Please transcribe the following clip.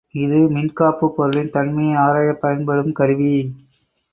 இது மின்காப்புப் பொருளின் தன்மையை ஆராயப் பயன்படும் கருவி.